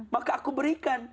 maka aku berikan